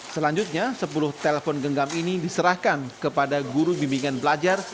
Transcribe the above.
selanjutnya sepuluh telpon genggam ini diserahkan kepada guru bimbingan belajar